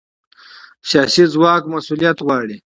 سیاسي ځواک مسؤلیت غواړي